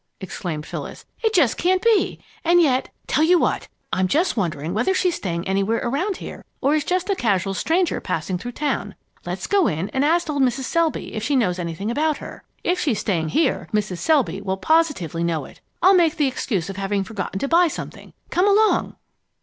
exclaimed Phyllis. "It just can't be! And yet tell you what! I'm just wondering whether she's staying anywhere around here or is just a casual stranger passing through the town. Let's go in and ask old Mrs. Selby if she knows anything about her. If she's staying here, Mrs. Selby will positively know it. I'll make the excuse of having forgotten to buy something. Come along!"